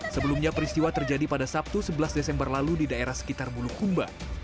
sebelumnya peristiwa terjadi pada sabtu sebelas desember lalu di daerah sekitar bulukumba